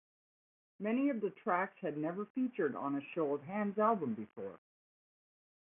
Many of the tracks had never featured on a Sho of Hands album before.